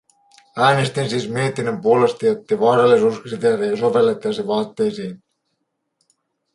Äänestin siis mietinnön puolesta, jottei vaarallisuuskriteerejä sovellettaisi vaatteisiin.